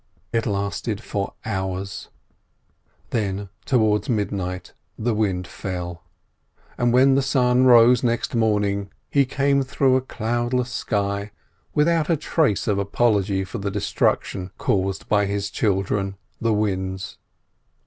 It lasted for hours, then towards midnight the wind fell; and when the sun rose next morning he came through a cloudless sky, without a trace of apology for the destruction caused by his children the winds.